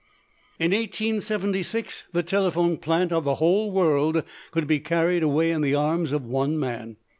In 1876 the telephone plant of the whole world could be carried away in the arms of one man.